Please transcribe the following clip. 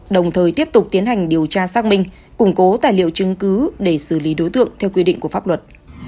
đồng thời tiếp tục tiến hành điều tra xác minh củng cố tài liệu chứng cứ để xử lý đối tượng theo quy định của pháp luật